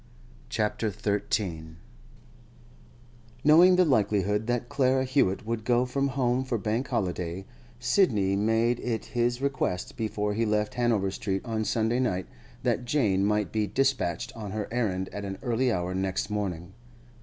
CHAPTER XIII THE BRINGER OF ILL NEWS Knowing the likelihood that Clara Hewett would go from home for Bank holiday, Sidney made it his request before he left Hanover Street on Sunday night that Jane might be despatched on her errand at an early hour next morning.